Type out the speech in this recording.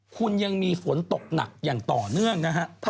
คุณยังมีฝนตกหนักอย่างต่อเนื่องนะฮะ